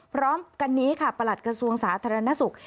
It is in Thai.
พร้อมกันนี้ค่ะประหลัดกระทรวงสาธารณสุข